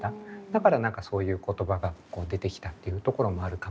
だから何かそういう言葉が出てきたっていうところもあるかもしれないし。